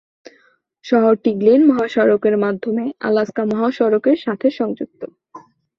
শহরটি গ্লেন মহাসড়কের মাধ্যমে আলাস্কা মহাসড়কের সাথে সংযুক্ত।